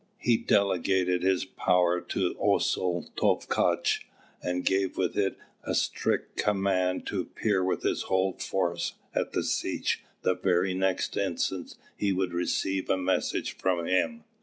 He delegated his power to Osaul Tovkatch, and gave with it a strict command to appear with his whole force at the Setch the very instant he should receive a message from him.